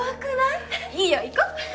いいよいこ！